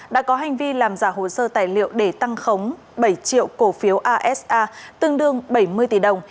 đã có hành vi làm giả hồ sơ tài liệu để tăng khống bảy triệu cổ phiếu asa tương đương bảy mươi tỷ đồng